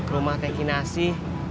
rumah teki nasi